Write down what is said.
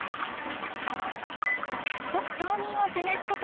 早速島民を探すことに。